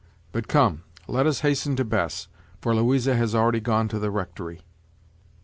But come, let us hasten to Bess, for Louisa has already gone to the rectory."